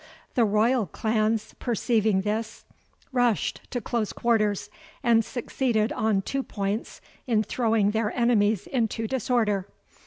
The royal clans, perceiving this, rushed to close quarters, and succeeded on two points in throwing their enemies into disorder.